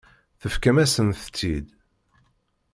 Tefkam-asent-tt-id.